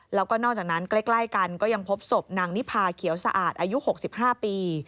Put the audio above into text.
แล้วก็นอกจากนั้นใกล้กันก็ยังพบศพนางนิพาเขียวสะอาดอายุ๖๕ปี